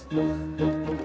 sampai jumpa lagi